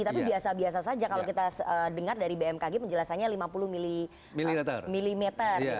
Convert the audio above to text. tapi biasa biasa saja kalau kita dengar dari bmkg penjelasannya lima puluh mm